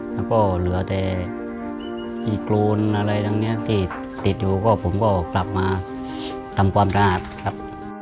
แล้วก็เหลือแต่อีกรูนอะไรทั้งนี้ที่ติดอยู่ก็ผมก็กลับมาทำความสะอาดครับ